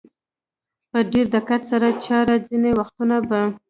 په ډېر دقت سره څاره، ځینې وختونه به.